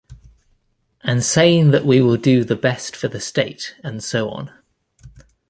And saying that we will do the best for the state and so on.